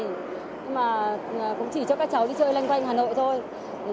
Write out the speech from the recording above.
nhưng mà cũng chỉ cho các cháu đi chơi lanh quanh hà nội thôi